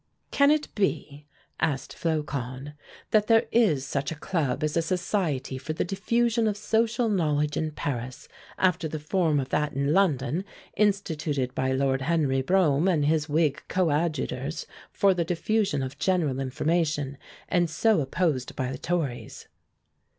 "Can it be," asked Flocon, "that there is such a club as a society for the diffusion of social knowledge in Paris, after the form of that in London, instituted by Lord Henry Brougham and his Whig coadjutors, for the diffusion of general information, and so opposed by the Tories."